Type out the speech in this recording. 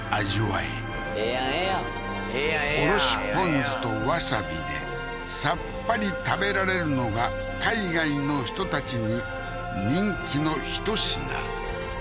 ええやんええやんええやんええやんおろしポン酢とわさびでさっぱり食べられるのが海外の人たちに人気のひと品